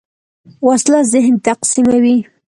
وسله ذهن تقسیموي